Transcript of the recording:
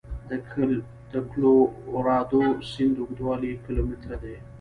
د کلورادو سیند اوږدوالی کیلومتره دی.